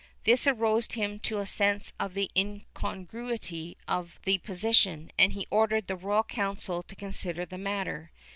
This aroused him to a sense of the incongruity of the position, and he ordered the Royal Council to consider the matter.